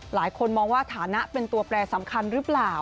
หลายคนมองว่าฐานะเป็นตัวแปรสำคัญหรือเปล่า